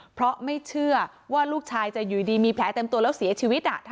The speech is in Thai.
เพราะไม่เชื่อว่าลูกชายจะอยู่ดีมีแผลเต็มตัวแล้วเสียชีวิต